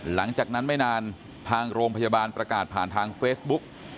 หลังจากนั้นไม่นานทางโรงพยาบาลประกาศผ่านทางเฟซบุ๊ก